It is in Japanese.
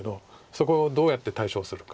そこをどうやって対処するか。